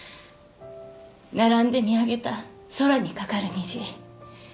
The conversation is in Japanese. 並んで見上げた空に架かる虹。